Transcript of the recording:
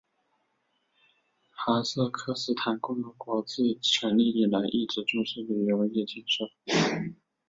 哈萨克斯坦共和国自成立以来一直重视旅游业建设。